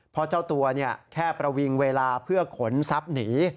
เพราะเจ้าตัวแค่ประวิงเวลาเพื่อขนทรัพย์หนี